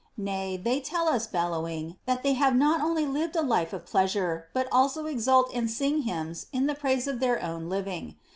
Nav, they tell us bellowing that they have not only lived a life of pleasure, but also exult and sing hymns in the praise of their own living.